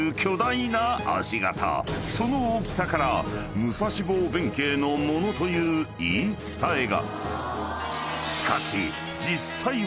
［その大きさから武蔵坊弁慶のものという言い伝えが］